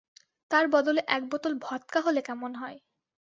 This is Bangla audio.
তার বদলে এক বোতল ভদকা হলে কেমন হয়?